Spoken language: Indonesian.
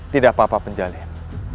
tidak apa apa penjalin